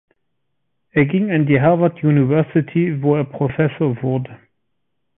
Er ging an die Harvard University, wo er Professor wurde.